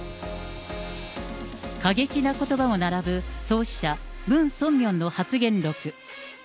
過激なことばも並ぶ創始者、ムン・ソンミョンの発言録。